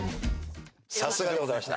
さすがでございました。